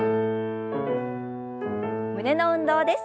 胸の運動です。